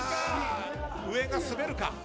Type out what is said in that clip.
上が滑るか。